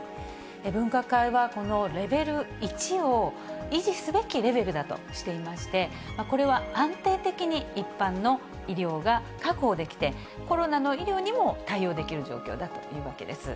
分科会は、このレベル１を維持すべきレベルだとしていまして、これは安定的に一般の医療が確保できて、コロナの医療にも対応できる状況だというわけです。